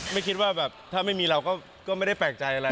ไม่คิดว่าแบบถ้าไม่มีเราก็ไม่ได้แปลกใจอะไร